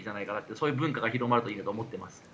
そういう文化が広がるといいなと思っています。